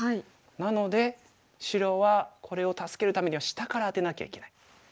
なので白はこれを助けるためには下からアテなきゃいけない。